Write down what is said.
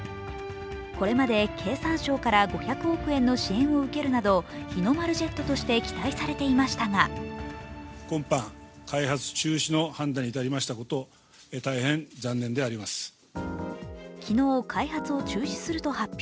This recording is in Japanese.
これまで経産省から５００億円の支援を受けるなど日の丸ジェットとして期待されていましたが昨日、開発を中止すると発表。